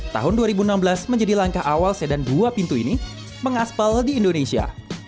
tahun dua ribu enam belas menjadi langkah awal sedan dua pintu ini mengaspal di indonesia